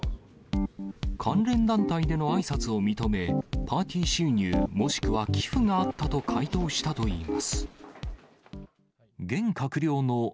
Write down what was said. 関連団体でのあいさつを認め、パーティー収入もしくは寄付があったと回答したといいます。